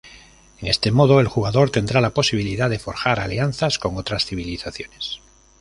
En este modo, el jugador tendrá la posibilidad de forjar alianzas con otras civilizaciones.